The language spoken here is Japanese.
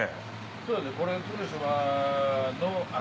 そうですねこれ。